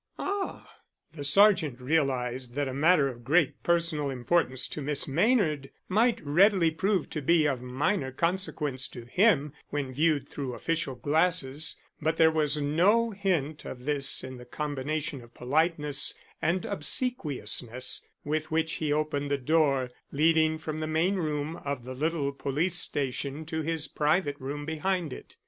"Ah!" The sergeant realized that a matter of great personal importance to Miss Maynard might readily prove to be of minor consequence to him when viewed through official glasses; but there was no hint of this in the combination of politeness and obsequiousness with which he opened the door leading from the main room of the little police station to his private room behind it.